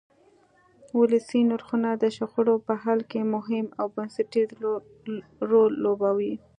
ولسي نرخونه د شخړو په حل کې مهم او بنسټیز رول لوبوي.